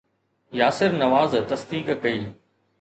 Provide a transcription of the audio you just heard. ياسر نواز تصديق ڪئي